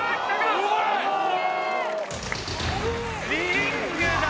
リングだ！